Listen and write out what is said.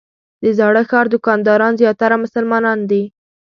د زاړه ښار دوکانداران زیاتره مسلمانان دي.